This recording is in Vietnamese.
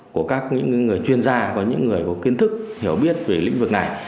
của các những người chuyên gia và những người có kiến thức hiểu biết về lĩnh vực này